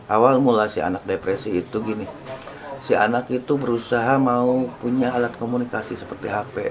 awal mula si anak depresi itu gini si anak itu berusaha mau punya alat komunikasi seperti hp